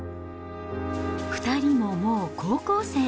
２人ももう高校生。